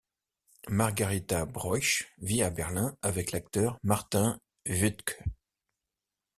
Margarita Broich vit à Berlin avec l'acteur Martin Wuttke.